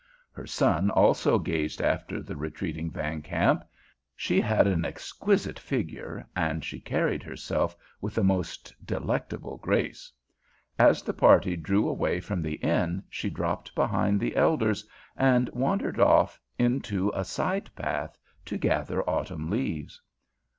Her son also gazed after the retreating Van Kamp. She had an exquisite figure, and she carried herself with a most delectable grace. As the party drew away from the inn she dropped behind the elders and wandered off into a side path to gather autumn leaves.